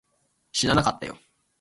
知らなかったよ